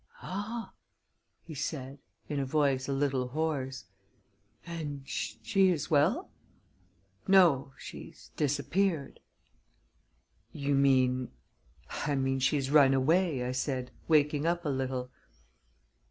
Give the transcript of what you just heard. "Ah," he said, in a voice a little hoarse; "and she is well?" "No; she's disappeared." "You mean " "I mean she's run away," I said, waking up a little.